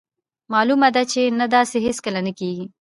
مالومه ده چې نه داسې هیڅکله نه کیږي.